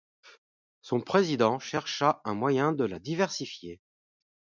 Son président chercha un moyen de la diversifier.